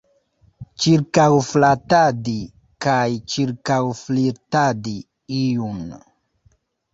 Ĉirkaŭflatadi kaj ĉirkaŭflirtadi iun.